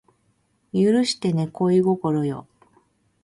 許してね恋心よ